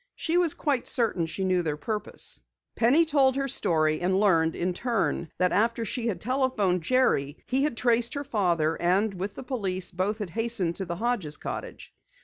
She was quite certain she knew their purpose. Penny told her story and learned, in turn, that after she had telephoned Jerry, he had traced her father, and with the police both had hastened to the Hodges' cottage.